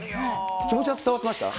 気持ちは伝わってました？